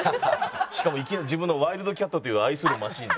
しかも自分の「ワイルドキャット」という愛するマシン。